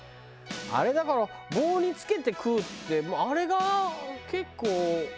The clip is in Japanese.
あれだから棒に付けて食うってあれが結構。